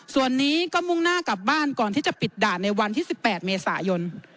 ส่วนนี้ก็มุ่งหน้ากลับบ้านก่อนที่จะปิดด่านในวันที่๑๘เมษายน